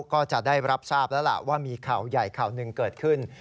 ก็จะได้รับทราบแล้วล่ะว่ามีข่าวใหญ่ข่าวหนึ่งเกิดขึ้น